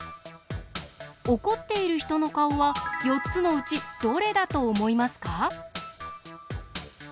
おこっているひとのかおは４つのうちどれだとおもいますか？